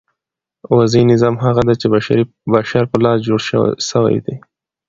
وضعي نظام هغه دئ، چي د بشر په لاس جوړ سوی دئ.